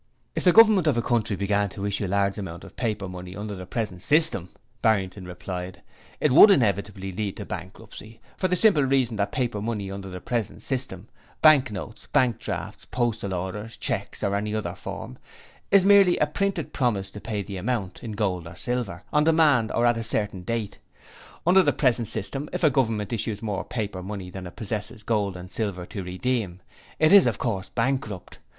'If the Government of a country began to issue large amounts of paper money under the present system,' Barrington replied, 'it would inevitably lead to bankruptcy, for the simple reason that paper money under the present system bank notes, bank drafts, postal orders, cheques or any other form is merely a printed promise to pay the amount in gold or silver on demand or at a certain date. Under the present system if a Government issues more paper money than it possesses gold and silver to redeem, it is of course bankrupt.